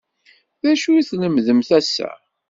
D acu i tlemdemt ass-a?